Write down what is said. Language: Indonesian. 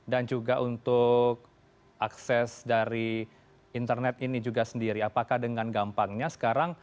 dan juga untuk akses dari internet ini juga sendiri apakah dengan gampangnya sekarang dengan kemampuan teknisnya juga bisa ditingkatkan